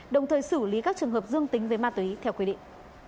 đồng thời xử lý các trường hợp dương tính với ma túy theo quy định